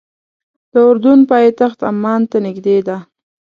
د اردن پایتخت عمان ته نږدې ده.